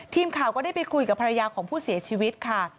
ทีมข่าวก็ได้ไปคุยกับภรรยาของผู้เสียชีวิตค่ะ